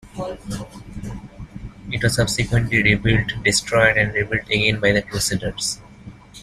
It was subsequently rebuilt, destroyed, and rebuilt again by the Crusaders.